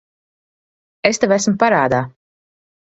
Es tev esmu parādā.